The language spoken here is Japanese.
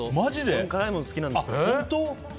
僕、辛いもの好きなんですよ。